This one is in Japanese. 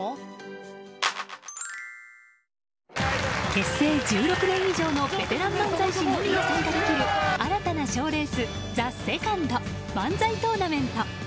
結成１６年以上のベテラン漫才師のみが参加できる新たな賞レース「ＴＨＥＳＥＣＯＮＤ漫才トーナメント」。